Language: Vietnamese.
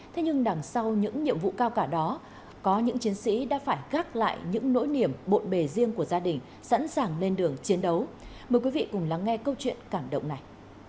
thế nhưng đằng sau những nhiệm vụ cao cả đó có những chiến sĩ đã phải gác lại những nỗi niềm bộn bề riêng của gia đình sẵn sàng lên đường chiến đấu mời quý vị cùng lắng nghe câu chuyện cảm động này